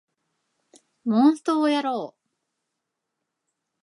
モンストをやろう